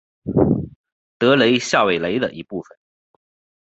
德雷下韦雷的一部分。